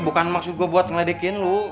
bukan maksud gue buat ngeledekin lo